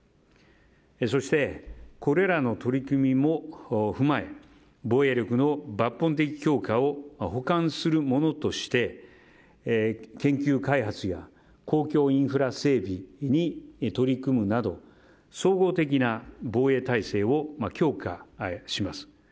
そしてこれらの取り組みも踏まえ防衛力の抜本的強化を補完するものとして研究・開発や公共インフラ整備に取り組むなど総合的な防衛体制を強化します。